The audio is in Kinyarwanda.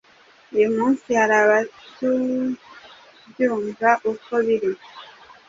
uyu munsi hari abatubyumva uko biri